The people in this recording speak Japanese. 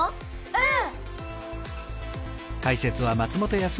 うん！